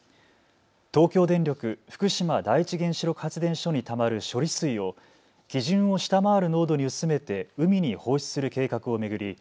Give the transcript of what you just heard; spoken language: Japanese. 東京電力福島第一原子力発電所にたまる処理水を基準を下回る濃度に薄めて海に放出する計画を巡り